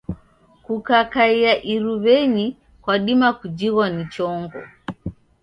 Kukakaia iruw'enyi kwadima kujighwa ni chongo.